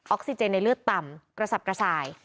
ซิเจนในเลือดต่ำกระสับกระส่าย